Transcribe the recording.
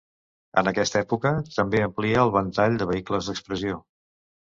En aquesta època també amplia el ventall de vehicles d'expressió.